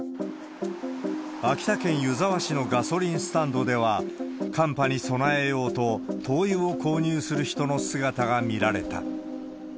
秋田県湯沢市のガソリンスタンドでは、寒波に備えようと、灯油を購入する人の姿が見られた。